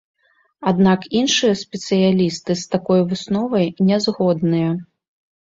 Аднак іншыя спецыялісты з такой высновай ня згодныя.